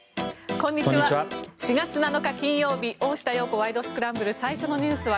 こんにちは。